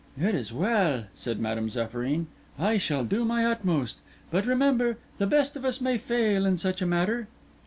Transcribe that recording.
"It is well," said Madame Zéphyrine. "I shall do my utmost. But, remember, the best of us may fail in such a matter."